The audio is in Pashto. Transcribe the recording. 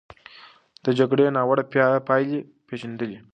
ده د جګړې ناوړه پايلې پېژندلې.